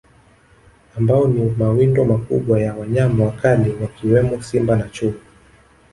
Ambao ni mawindo makubwa ya wanyama wakali wakiwemo Simba na Chui